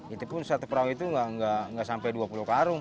itu pun satu perahu itu nggak sampai dua puluh karung